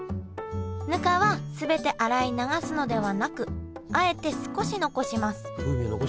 ぬかは全て洗い流すのではなくあえて少し残します。